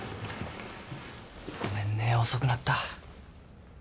ごめんね遅くなった。